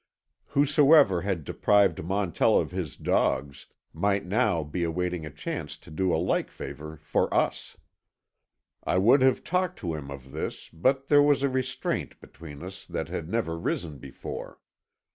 Whosoever had deprived Montell of his dogs, might now be awaiting a chance to do a like favor for us. I would have talked to him of this but there was a restraint between us that had never arisen before.